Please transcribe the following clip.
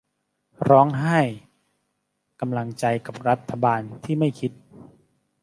ร้องไห้กำลังใจกับรัฐบาลที่ไม่คิด